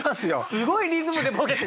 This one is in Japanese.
すごいリズムでボケて。